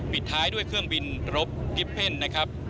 ปิดท้ายด้วยเครื่องบินรบกิฟเพ่นนะครับ